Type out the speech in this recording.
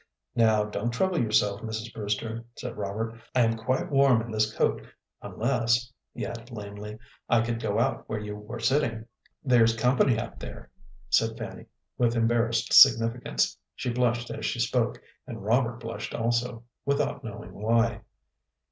"Now don't trouble yourself, Mrs. Brewster," said Robert. "I am quite warm in this coat, unless," he added, lamely, "I could go out where you were sitting." "There's company out there," said Fanny, with embarrassed significance. She blushed as she spoke, and Robert blushed also, without knowing why.